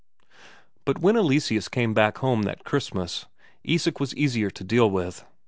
But when Eleseus came back home that Christmas, Isak was easier to deal with.